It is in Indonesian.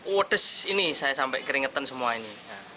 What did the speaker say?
wades ini saya sampai keringetan semua ini